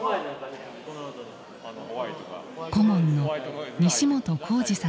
顧問の西本幸史さんです。